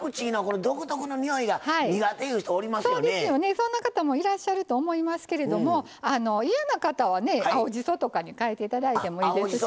そんな方もいらっしゃると思いますけども嫌な方は青じそとかに代えて頂いてもいいです。